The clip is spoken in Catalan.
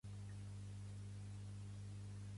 Antics texts bramànics.